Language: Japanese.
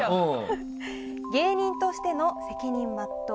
芸人としての責任全う。